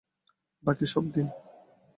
বাকি সব দিন?